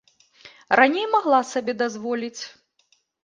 Раней магла сабе дазволіць.